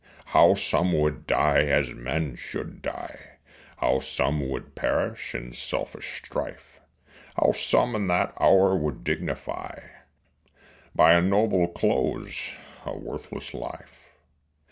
How some would die as men should die, How some would perish in selfish strife, How some in that hour would dignify By a noble close a worthless life.